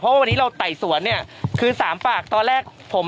เพราะว่าวันนี้เราไต่สวนเนี่ยคือสามปากตอนแรกผม